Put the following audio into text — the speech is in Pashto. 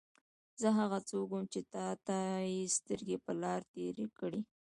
زه هغه څوک وم چې تا ته یې سترګې په لار تېرې کړې.